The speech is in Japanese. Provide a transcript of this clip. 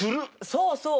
そうそう。